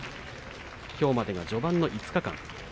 きょうまでが序盤の５日間。